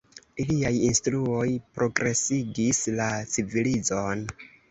Iliaj instruoj progresigis la civilizon.